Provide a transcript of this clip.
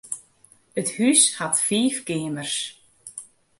It hús hat fiif keamers.